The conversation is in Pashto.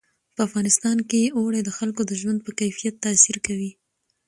په افغانستان کې اوړي د خلکو د ژوند په کیفیت تاثیر کوي.